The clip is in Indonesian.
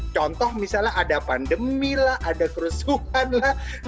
contoh misalnya ada pandemi lah ada kerusuhan lah